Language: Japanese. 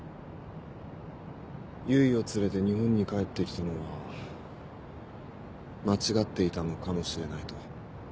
唯を連れて日本に帰ってきたのは間違っていたのかもしれないと。